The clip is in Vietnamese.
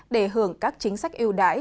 để hưởng các chính sách ưu đãi